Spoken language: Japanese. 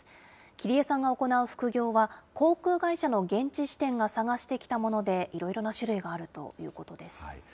切江さんが行う副業は、航空会社の現地支店が探してきたもので、いろいろな種類があるということです。